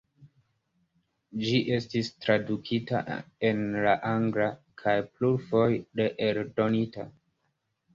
Ĝi estis tradukita en la anglan kaj plurfoje reeldonita.